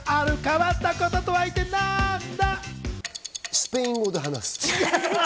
スペイン語で話す。